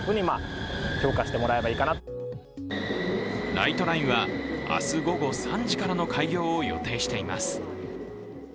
ライトラインは明日午後３時からの開業を予定しています。